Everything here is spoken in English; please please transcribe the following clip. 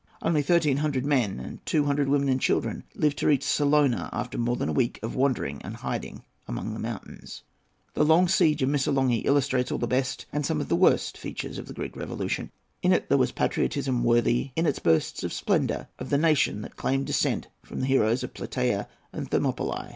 Only thirteen hundred men and two hundred women and children lived to reach Salona after more than a week of wandering and hiding among the mountains. The long siege of Missolonghi illustrates all the best and some of the worst features of the Greek Revolution. In it there was patriotism worthy, in its bursts of splendour, of the nation that claimed descent from the heroes of Plataea and Thermopylae.